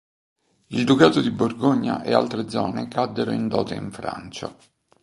Il ducato di Borgogna e altre zone caddero in dote in Francia.